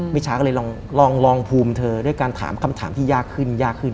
มิชาก็เลยลองภูมิเธอด้วยการถามคำถามที่ยากขึ้นยากขึ้น